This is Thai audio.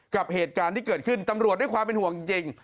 กับเหตุการณ์ที่เกิดขึ้นตำรวจด้วยความเป็นห่วงจริง